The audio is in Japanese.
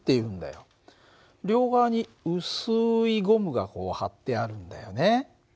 両側に薄いゴムが張ってあるんだよね。